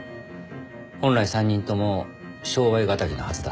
本来３人とも商売敵のはずだ。